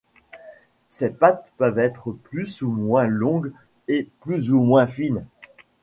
Ces pâtes peuvent être plus ou moins longues et plus ou moins fines.